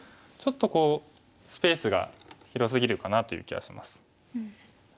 ちょっとこうスペースが広すぎるかなという気がします。